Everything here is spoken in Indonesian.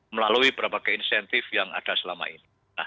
melalui berbagai insentif yang ada selama ini